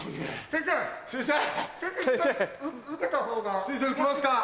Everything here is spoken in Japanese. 先生受けますか？